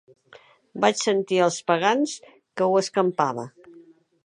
Vaig sentir el Pagans que ho escampava.